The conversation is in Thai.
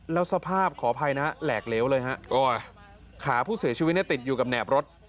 แล้วสภาพขออภัยนะฮะแหลกเหลวเลยฮะขาผู้เสียชีวิตเนี่ยติดอยู่กับแหนบรถ